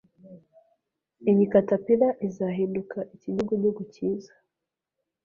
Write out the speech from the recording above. Iyi catterpillar izahinduka ikinyugunyugu cyiza.